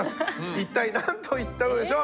一体なんと言ったのでしょう？